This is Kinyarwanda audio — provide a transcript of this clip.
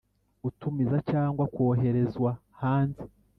gutumiza cyangwa koherezwa hanze